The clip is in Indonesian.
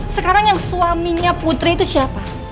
sekarang yang suaminya putri itu siapa